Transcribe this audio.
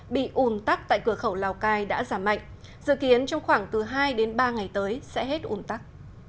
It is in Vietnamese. bị ùn tắc tại cửa khẩu lào cai đã giảm mạnh dự kiến trong khoảng từ hai đến ba ngày tới sẽ hết ủn tắc